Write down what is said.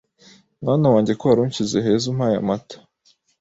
mwana wanjye ko wari unshyize heza umpaye amata